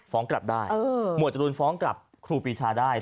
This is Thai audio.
ฟ้องกลับได้หมวดจรูนฟ้องกลับครูปีชาได้